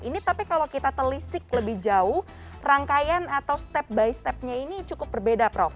ini tapi kalau kita telisik lebih jauh rangkaian atau step by stepnya ini cukup berbeda prof